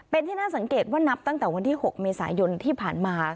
เป็นที่น่าสังเกตว่านับตั้งแต่วันที่๖เมษายนที่ผ่านมา